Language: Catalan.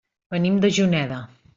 Venim de Juneda.